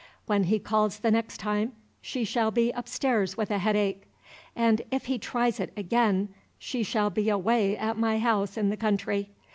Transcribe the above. When he calls the next time she shall be upstairs with a headache. And if he tries it again she shall be away at my house in the country.